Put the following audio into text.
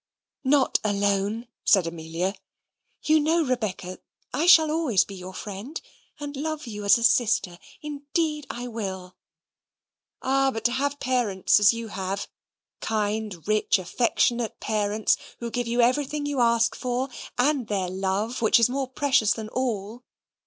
"Not alone," said Amelia; "you know, Rebecca, I shall always be your friend, and love you as a sister indeed I will." "Ah, but to have parents, as you have kind, rich, affectionate parents, who give you everything you ask for; and their love, which is more precious than all!